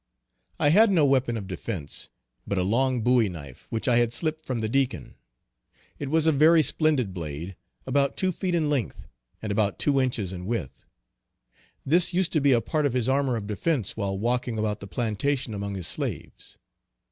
I had no weapon of defence but a long bowie knife which I had slipped from the Deacon. It was a very splendid blade, about two feet in length, and about two inches in width. This used to be a part of his armor of defence while walking about the plantation among his slaves.